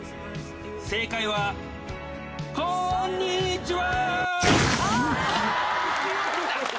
正解は、こんにちは！